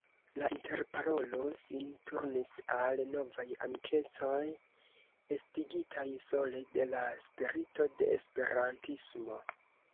La interparolo sin turnis al novaj amikecoj, estigitaj sole de la spirito de Esperantismo.